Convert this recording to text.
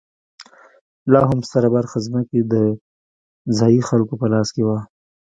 لا هم ستره برخه ځمکې د ځايي خلکو په لاس کې وه.